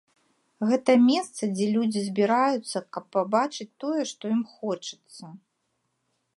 Гэта месца, дзе людзі збіраюцца, каб пабачыць тое, што ім хочацца.